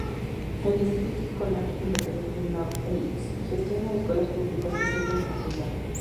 El Distrito Escolar Independiente North East gestiona escuelas públicas que sirven a la ciudad.